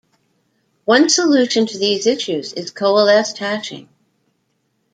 One solution to these issues is coalesced hashing.